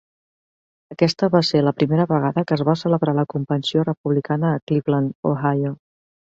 Aquesta va ser la primera vegada que es va celebrar la Convenció republicana a Cleveland, Ohio.